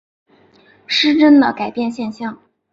失真的改变现象。